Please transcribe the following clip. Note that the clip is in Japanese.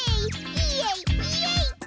イエイイエイ！